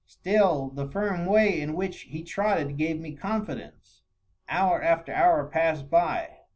Still the firm way in which he trotted gave me confidence. Hour after hour passed by.